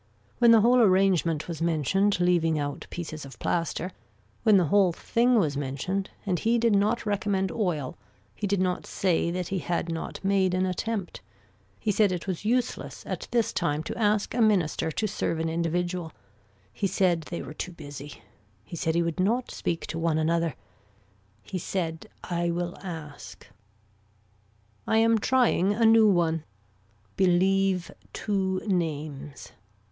When the whole arrangement was mentioned leaving out pieces of plaster, when the whole thing was mentioned and he did not recommend oil, he did not say that he had not made an attempt, he said it was useless at this time to ask a minister to serve an individual. He said they were too busy. He said he would not speak to one another. He said I will ask. I am trying a new one. Believe two names.